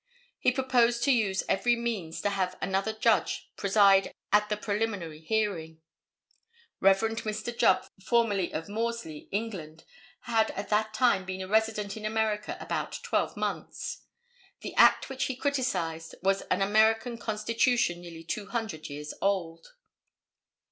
He proposed to use every means to have another Judge preside at the preliminary hearing. Rev. Mr. Jubb, formerly of Morsley, England, had at that time been a resident in America about twelve months. The act which he criticised was an American constitution nearly two hundred years old.